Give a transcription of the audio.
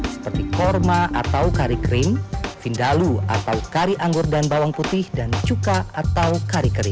seperti korma atau kari krim vindalu atau kari anggur dan bawang putih dan cuka atau kari keri